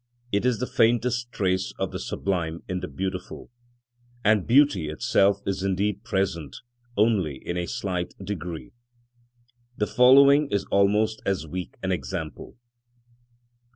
It is the faintest trace of the sublime in the beautiful; and beauty itself is indeed present only in a slight degree. The following is almost as weak an example.